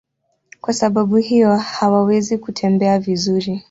Kwa sababu hiyo hawawezi kutembea vizuri.